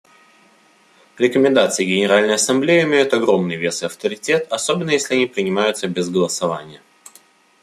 Рекомендации Генеральной Ассамблеи имеют огромный вес и авторитет, особенно если они принимаются без голосования.